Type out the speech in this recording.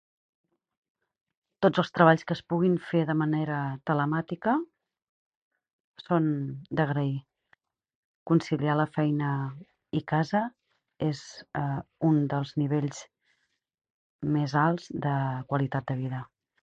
Tots els treballs que es puguin fer de manera telemàtica són d'agrair. Conciliar la feina i casa és un dels nivells més alts de qualitat de vida.